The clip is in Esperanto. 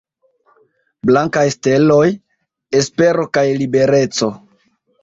Blankaj steloj: espero kaj libereco.